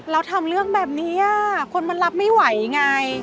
ทำเรื่องแบบนี้คนมันรับไม่ไหวไง